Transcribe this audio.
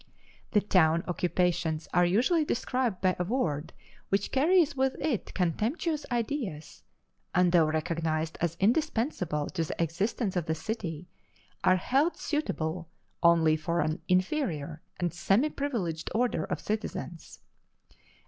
The town occupations are usually described by a word which carries with it contemptuous ideas, and though recognized as indispensable to the existence of the city, are held suitable only for an inferior and semi privileged order of citizens.